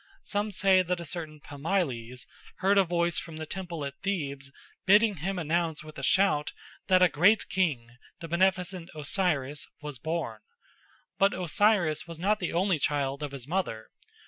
Some say that a certain Pamyles heard a voice from the temple at Thebes bidding him announce with a shout that a great king, the beneficent Osiris, was born. But Osiris was not the only child of his mother.